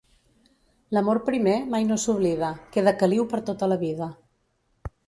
L'amor primer mai no s'oblida: queda caliu per tota la vida.